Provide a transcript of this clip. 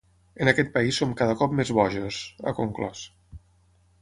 En aquest país som cada cop més bojos…, ha conclòs.